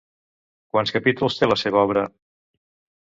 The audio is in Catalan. Quants capítols té la seva obra?